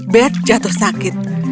beth jatuh sakit